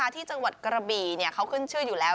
ที่จังหวัดกระบี่เขาขึ้นชื่ออยู่แล้ว